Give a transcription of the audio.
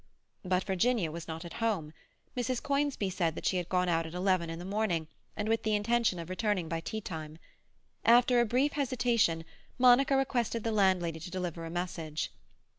But Virginia was not at home. Mrs. Conisbee said she had gone out at eleven in the morning, and with the intention of returning by teatime. After a brief hesitation Monica requested the landlady to deliver a message.